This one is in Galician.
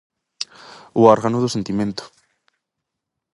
O órgano do sentimento.